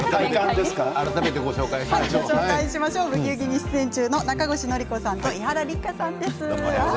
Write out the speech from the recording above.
「ブギウギ」に出演中の中越典子さんと伊原六花さんです。